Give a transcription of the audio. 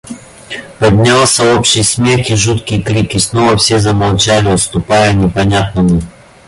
Поднялся общий смех и жуткий крик — и снова все замолчали, уступая непонятному.